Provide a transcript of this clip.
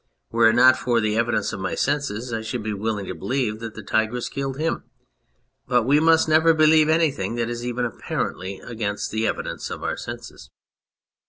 Were it not for the evidence of my senses I should be willing to believe that the tigress killed him. But we must never believe anything that is even apparently against the evidence of our senses.